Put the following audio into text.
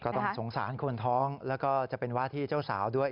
ก็ต้องสงสารคนท้องแล้วก็จะเป็นวาธิเจ้าสาวด้วย